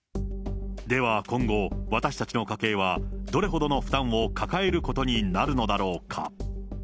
では、今後、私たちの家計はどれほどの負担を抱えることになるのだろうか。